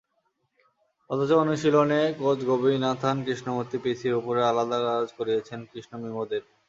অথচ অনুশীলনে কোচ গোবিনাথান কৃষ্ণমূর্তি পিসির ওপরে আলাদা কাজ করিয়েছেন কৃষ্ণ-মিমোদের।